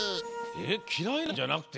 えっきらいなもんじゃなくて？